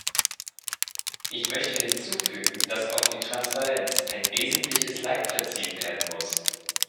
Ich möchte hinzufügen, dass auch die Transparenz ein wesentliches Leitprinzip werden muss.